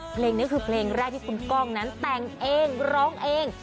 เพลงนี้คือเพลงแรกที่คุณก้องนั้นแต่งเองร้องเอง